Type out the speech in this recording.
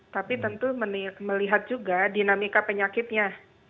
tapi tentu melihat juga dinamika penyakitnya